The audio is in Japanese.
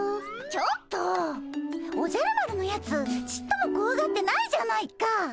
ちょっとおじゃる丸のやつちっともこわがってないじゃないか。